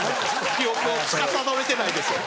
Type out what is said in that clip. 記憶をつかさどれてないです。